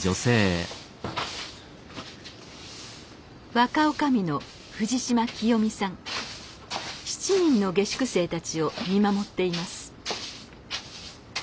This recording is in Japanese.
若おかみの７人の下宿生たちを見守っています。